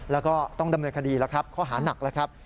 แล้วก็ต้องดำเนิดคดีแล้วครับเขาหาหนักครับ